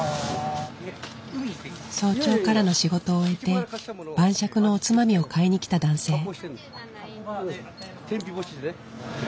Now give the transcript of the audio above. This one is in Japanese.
早朝からの仕事を終えて晩酌のおつまみを買いに来た男性。